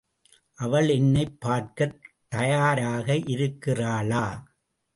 அவள் என்னைப் பார்க்கத் தயாராக இருக்கிறாளா?